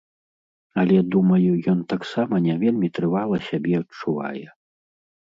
Але, думаю, ён таксама не вельмі трывала сябе адчувае.